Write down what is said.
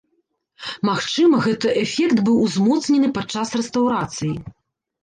Магчыма, гэты эфект быў узмоцнены падчас рэстаўрацыі.